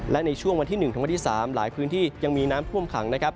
และในช่วงวันที่๑ถึงวันที่๓หลายพื้นที่ยังมีน้ำท่วมขังนะครับ